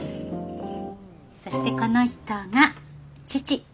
そしてこの人が父。